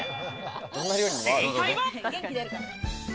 正解は。